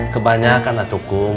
kebanyakan lah tukung